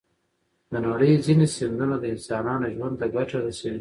د نړۍ ځینې سیندونه د انسانانو ژوند ته ګټه رسوي.